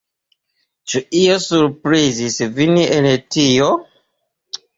Ĉu io surprizis vin en tio?